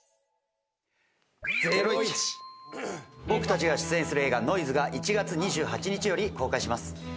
僕たちが出演する映画『ノイズ』が１月２８日より公開します。